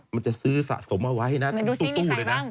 มันจะซื้อสะสมเอาไว้นะตู้เลยนะ